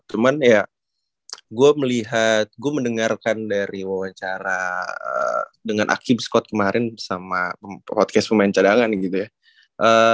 cuman ya gue melihat gue mendengarkan dari wawancara dengan akibe skot kemarin bersama podcast pemain cadangan gitu ya